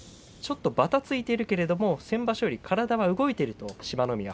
ちょっと、ばたついているけれど先場所より体は動いていると志摩ノ